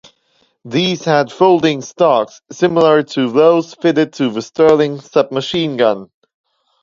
These had folding stocks, similar to those fitted to the Sterling submachine gun.